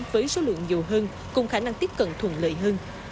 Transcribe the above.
với số lượng nhiều hơn cùng khả năng tiếp cận thuận lợi hơn